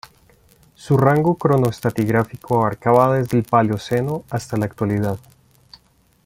Su rango cronoestratigráfico abarcaba desde el Paleoceno hasta la Actualidad.